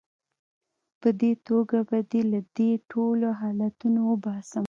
په دې توګه به دې له دې ټولو حالتونو وباسم.